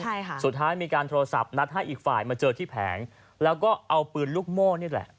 ใช่ค่ะสุดท้ายมีการโทรศัพท์นัดให้อีกฝ่ายมาเจอที่แผงแล้วก็เอาปืนลูกโม่นี่แหละ